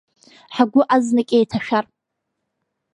Ҳгәы азнык еиҭашәар…